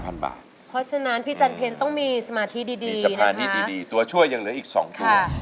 เพราะฉะนั้นพี่จันเพลต้องมีสมาธิดีสมาธิดีตัวช่วยยังเหลืออีก๒ตัว